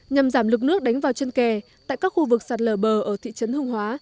nhằm giảm lực nước đánh vào chân kè tại các khu vực sạt lở bờ ở thị trấn hương hóa